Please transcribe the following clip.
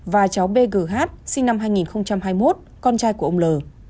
và cháu bgh sinh năm hai nghìn hai mươi một con trai của ông l